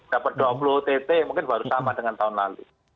dapat dua puluh ott mungkin baru sama dengan tahun lalu